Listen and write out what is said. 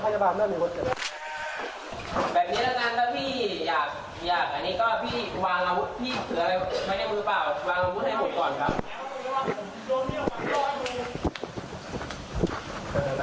แล้วท่านเดียวไอ้นมเหลือจะเลือดก่อนหรอ